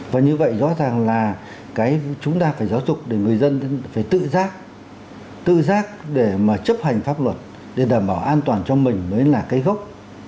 và như vậy rõ ràng là chúng ta phải giáo dục để người dân phải tự giác tự giác để mà chấp hành pháp luật để đảm bảo an toàn cho mình mới là cái gốc